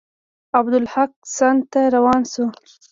عبدالحق سند ته روان شو.